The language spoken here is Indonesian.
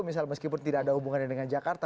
misalnya meskipun tidak ada hubungannya dengan jakarta